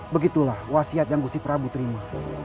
begitulah wasiat yang gusti prabu terima